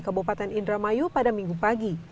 kabupaten indramayu pada minggu pagi